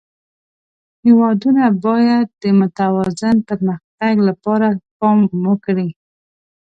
هېوادونه باید د متوازن پرمختګ لپاره پام وکړي.